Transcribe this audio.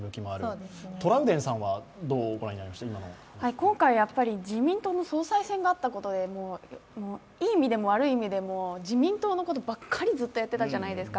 今回、自民党の総裁選があったことでいい意味でも悪い意味でも自民党のことばっかりずっとやってたじゃないですか。